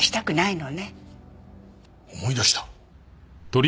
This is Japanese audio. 思い出した。